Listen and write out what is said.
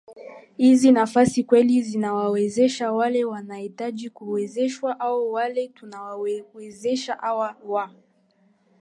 hizi nafasi kweli zinawawezesha wale wanaohitaji kuwezeshwa au wale tunawewezesha hawa wa